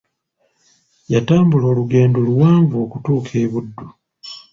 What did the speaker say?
Yatambula olugendo luwanvu okutuuka e Buddu.